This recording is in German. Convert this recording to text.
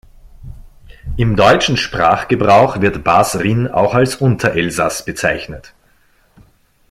Im deutschen Sprachgebrauch wird Bas-Rhin auch als "Unterelsass" bezeichnet.